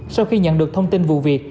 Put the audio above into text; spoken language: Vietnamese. sau khi nhận được thông tin vụ việc